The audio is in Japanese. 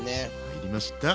入りました。